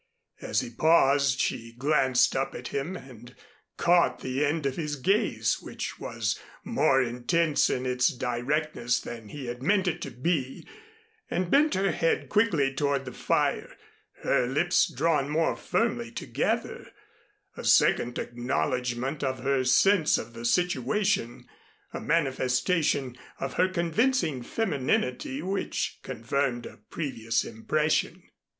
As he paused, she glanced up at him and caught the end of his gaze, which was more intense in its directness than he had meant it to be, and bent her head quickly toward the fire, her lips drawn more firmly together a second acknowledgment of her sense of the situation, a manifestation of her convincing femininity which confirmed a previous impression.